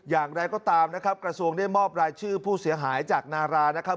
อย่างไรก็ตามนะครับกระทรวงได้มอบรายชื่อผู้เสียหายจากนารานะครับ